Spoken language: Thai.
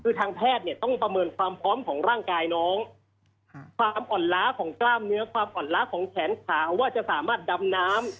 คือทางแพทย์เนี่ยต้องประเมินความพร้อมของร่างกายน้องความอ่อนล้าของกล้ามเนื้อความอ่อนล้าของแขนขาว่าจะสามารถดำน้ำ